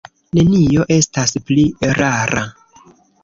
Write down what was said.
Nenio estas pli erara.